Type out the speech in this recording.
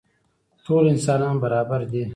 ټول انسانان برابر دي.